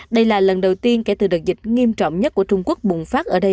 đây là lần đầu tiên kể từ đợt dịch nghiêm trọng nhất của trung quốc bùng phát ở đây